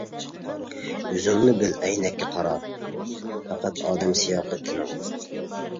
ئۆزۈڭنى بىل ئەينەككە قارا، پەقەت ئادەم سىياقى تىنىڭ.